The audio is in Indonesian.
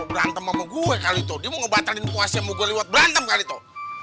berantem sama gue kali itu dia mau ngebatalin puasnya mau gue lewat berantem kali itu